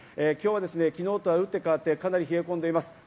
今日は昨日とは打って変わってかなり冷え込んでいます。